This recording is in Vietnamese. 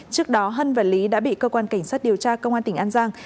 trước đó hân và lý đã bị cơ quan cảnh sát điều tra công an tỉnh an giang